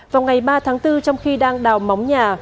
vào ngày ba tháng bốn trong khi đang đào móng nhà